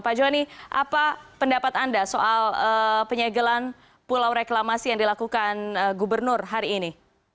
pak joni apa pendapat anda soal penyegelan pulau reklamasi yang dilakukan gubernur hari ini